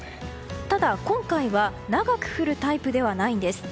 ただ、今回は長く降るタイプではないんです。